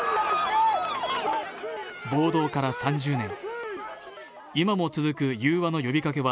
暴動から３０年。